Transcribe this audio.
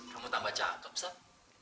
kamu tambah cakep sob